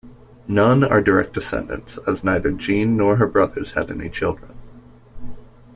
None are direct descendants, as neither Jean nor her brothers had any children.